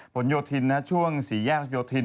ผลโยธินช่วงสี่แยกรัชโยธิน